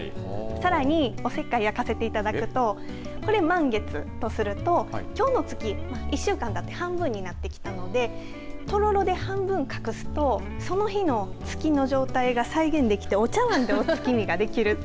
さらに、おせっかい焼かせていただくとこれ、満月とするときょうの月、１週間だけ半分になってきたのでとろろで半分隠すとその日の月の状態が再現できてお茶わんでお月見ができる。